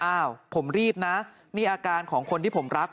อ้าวผมรีบนะนี่อาการของคนที่ผมรัก